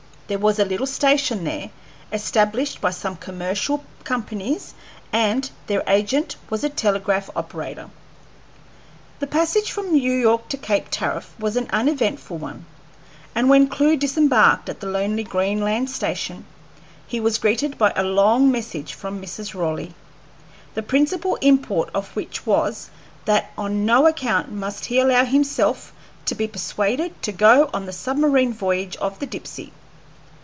There was a little station there, established by some commercial companies, and their agent was a telegraph operator. The passage from New York to Cape Tariff was an uneventful one, and when Clewe disembarked at the lonely Greenland station he was greeted by a long message from Mrs. Raleigh, the principal import of which was that on no account must he allow himself to be persuaded to go on the submarine voyage of the Dipsey.